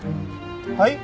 はい？